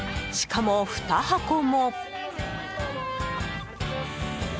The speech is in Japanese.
しかも２箱も。